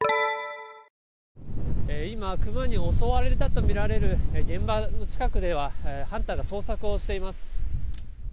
今熊に襲われたとみられる現場の近くではハンターが捜索をしています。